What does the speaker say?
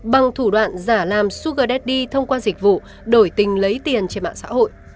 bằng thủ đoạn giả làm sugar daddy thông qua dịch vụ đổi tình lấy tiền trên mạng xã hội